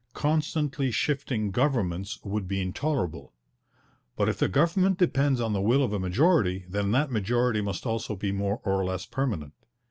Constantly shifting governments would be intolerable. But if the government depends on the will of a majority, then that majority must also be more or less permanent.